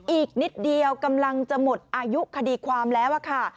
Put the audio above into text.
อีกนิดเดียวกำลังจะหมดอายุคดีความแล้วค่ะ